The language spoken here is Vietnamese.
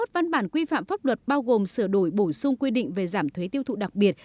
hai mươi văn bản quy phạm pháp luật bao gồm sửa đổi bổ sung quy định về giảm thuế tiêu thụ đặc biệt